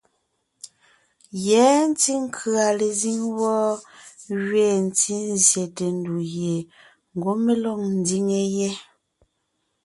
Yɛ̌ nkʉ̀a lezíŋ wɔ́ gẅiin ntí zsyète ndù gie ngwɔ́ mé lɔg ńdiŋe yé.